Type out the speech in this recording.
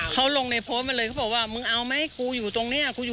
เขาลงในโพสต์มาเลยสิบ่วงว่ามึงเอาไหมกูอยู่ตรงเนี้ย